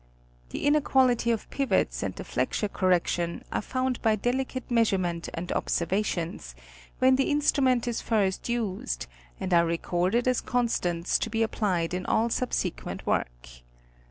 'The inequality of pivots and the flexure correction are found by delicate measurement and observations, when the instrument is first used, and are recorded as constants to be applied in all subsequent work.